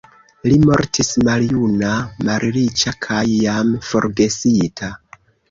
Li mortis maljuna, malriĉa kaj jam forgesita.